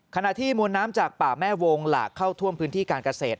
ขณะที่มวลน้ำจากป่าแม่วงหลากเข้าท่วมพื้นที่การเกษตร